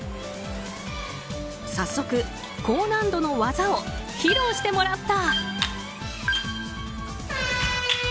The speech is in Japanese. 早速、高難度の技を披露してもらった。